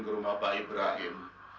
ke rumah bapak ibrahim